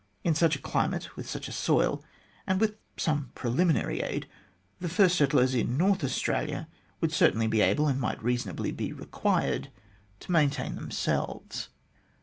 In such a climate, with such a soil, and with some preliminary aid, the first settlers in North Australia would certainly be able, and might reasonably be required, to maintain themselves.